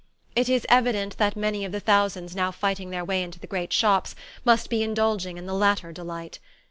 It is evident that many of the thousands now fighting their way into the great shops must be indulging in the latter delight.